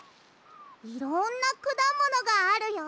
いろんなくだものがあるよ。